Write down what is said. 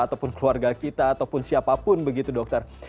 ataupun keluarga kita ataupun siapapun begitu dokter